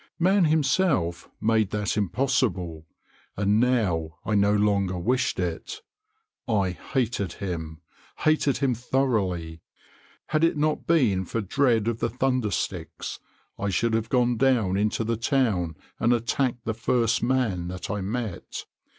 Man himself made that impossible, and now I no longer wished it. I hated him hated him thoroughly. Had it not been for dread of the thunder sticks, I should have gone down into the town and attacked the first man that I met.